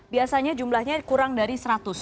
biasanya jumlahnya kurang dari seratus